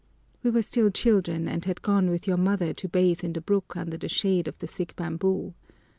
We were still children and had gone with your mother to bathe in the brook under the shade of the thick bamboo.